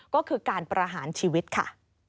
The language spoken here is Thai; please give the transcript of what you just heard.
ก็คือการประหารชีวิตค่ะ